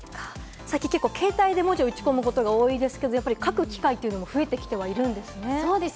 携帯で文字を打ち込むことが多いですが、書く機会も増えてきてはいるんですね。